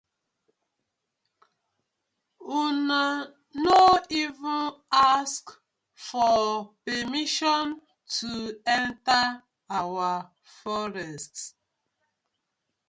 Una no even ask for permission to enter our forest.